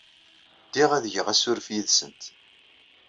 Ddiɣ ad geɣ asurf yid-sent.